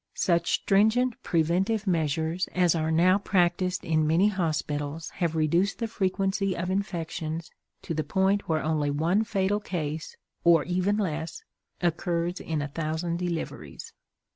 Such stringent preventive measures as are now practiced in many hospitals have reduced the frequency of infections to the point where only one fatal case, or even less, occurs in a thousand deliveries.